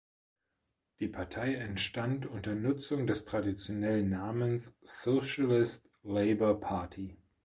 Die Partei entstand unter Nutzung des traditionellen Namens Socialist Labour Party.